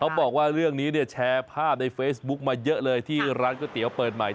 บอกว่าเรื่องนี้เนี่ยแชร์ภาพในเฟซบุ๊กมาเยอะเลยที่ร้านก๋วยเตี๋ยวเปิดใหม่